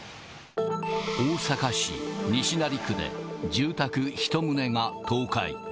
大阪市西成区で住宅１棟が倒壊。